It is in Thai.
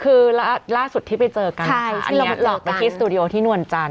คือล่าสุดที่ไปเจอกันที่หลอกไปที่สตูดิโอที่นวลจันท